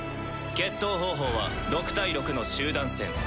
決闘方法は６対６の集団戦。